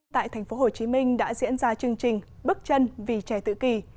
tại tp hcm đã diễn ra chương trình bước chân vì trẻ tự kỳ